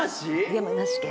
山梨県。